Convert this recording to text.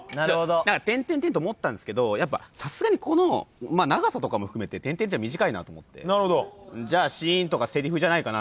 てんてんてんと思ったんですけどさすがにこの長さとかも含めて点々じゃ短いなと思ってじゃあ「シーン」とかせりふじゃないかな。